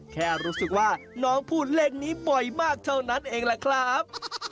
แค่รู้สึกว่าน้องพูดเลขนี้บ่อยมากเท่านั้นเองแหละครับ